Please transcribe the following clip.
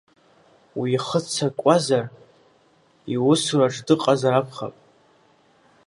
Уихыццакуазар, иусураҿ дыҟазар акәхап…